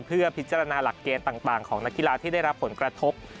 เพื่อพิจารณาหลักเกณฑ์ต่างของนักกีฬาที่ได้รับผลกระทบ